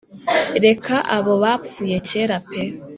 reka abo abapfuye kera pee